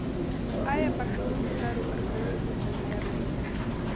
آیا پښتون سر ورکوي خو سنګر نه؟